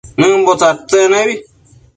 Nëmbo tsadtsec nebi